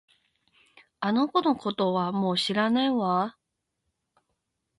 あの子のことはもう知らないわ